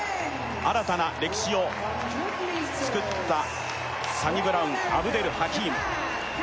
新たな歴史をつくったサニブラウン・アブデル・ハキーム